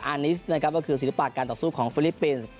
อาร์นิสก็คือศิลปะการต่อสู้ของฟิลิปปินส์